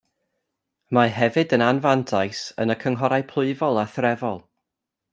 Y mae hefyd yn anfantais yn y cynghorau plwyfol a threfol.